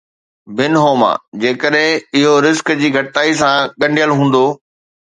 بن هوما، جيڪڏهن اهو رزق جي گهٽتائي سان ڳنڍيل هوندو.